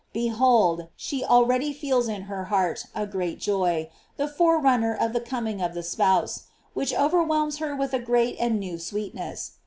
Behold, she already feels in her heart a great joy, the forerunner of the coming of the spouse, which overwhelms her with a great and new sweetness.